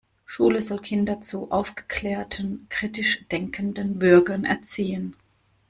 Schule soll Kinder zu aufgeklärten, kritisch denkenden Bürgern erziehen.